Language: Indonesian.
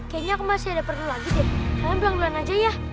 kayaknya aku masih ada perlu lagi deh kalian bilang aja ya